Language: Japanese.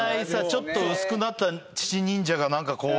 ちょっと薄くなった父忍者が何かこう。